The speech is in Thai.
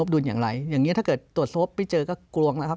ดุลอย่างไรอย่างนี้ถ้าเกิดตรวจสอบไม่เจอก็กลวงนะครับ